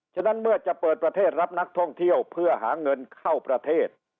ฉะนั้นเมื่อจะเปิดประเทศรับนักท่องเที่ยวเพื่อหาเงินเข้าประเทศ